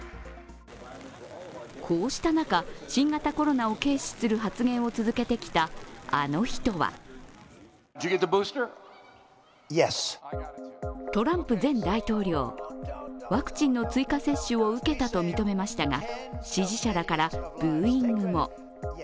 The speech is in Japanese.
こうした中、新型コロナを軽視する発言を続けてきた、あの人はトランプ前大統領、ワクチンの追加接種を受けたと認めましたが、支持者らからブーイングも。